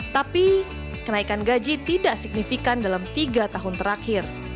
tapi kenaikan gaji tidak signifikan dalam tiga tahun terakhir